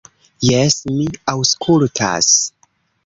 Jes, mi aŭskultas.